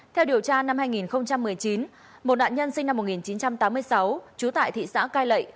theo điều tra năm hai nghìn một mươi chín một nạn nhân sinh năm một nghìn chín trăm tám mươi sáu trú tại thị xã cai lậy